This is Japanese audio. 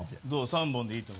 ３本でいいと。